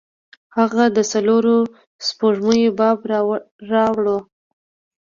هغه د څلورو سپوږمیو باب راواړوه.